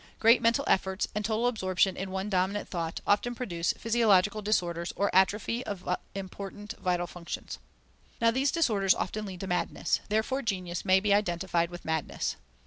Great mental efforts, and total absorption in one dominant thought, often produce physiological disorders or atrophy of important vital functions. Now these disorders often lead to madness; therefore, genius may be identified with madness.